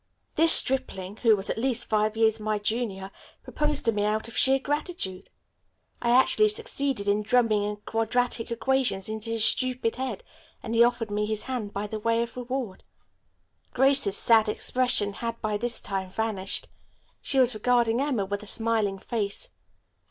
This stripling, who was at least five years my junior, proposed to me out of sheer gratitude. I actually succeeded in drumming quadratic equations into his stupid head, and he offered me his hand by the way of reward." Grace's sad expression had by this time vanished. She was regarding Emma with a smiling face.